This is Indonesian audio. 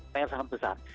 pr sangat besar